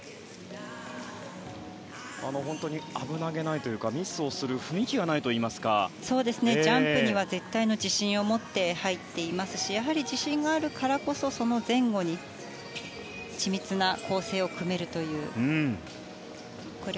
本当に危なげないというかミスをするジャンプには絶対の自信を持って入っていますしやはり自信があるからこそその前後に緻密な構成を組めるという。